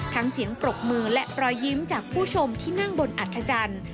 เสียงปรบมือและรอยยิ้มจากผู้ชมที่นั่งบนอัธจันทร์